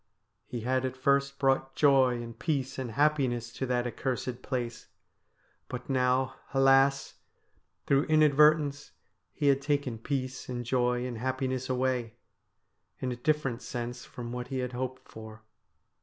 He had at first brought joy and peace and happiness to that accursed place ; but now, alas ! through inadvertence he had taken peace and joy and happi ness away, in a different sense from what he had hoped for.